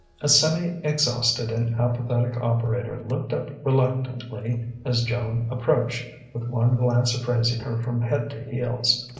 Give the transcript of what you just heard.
A semi exhausted and apathetic operator looked up reluctantly as Joan approached, with one glance appraising her from head to heels.